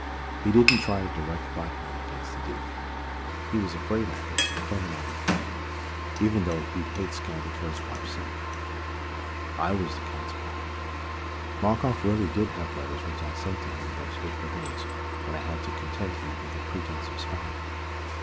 He didn't try direct blackmail against the Duke. He was afraid, I think, that Claremanagh would fight even though he'd hate scandal for his wife's sake. I was the catspaw. Markoff really did have letters which I had sent him in those hateful days when I had to content him with a pretense of spying.